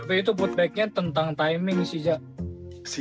tapi itu foodbacknya tentang timing sih